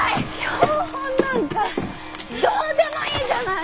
標本なんかどうでもいいじゃない！